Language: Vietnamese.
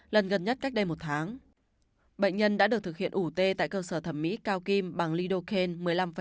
lần gần nhất cách đây một tháng bệnh nhân đã được thực hiện ủ tê tại cơ sở thẩm mỹ cao kim bằng lidocaine một mươi năm sáu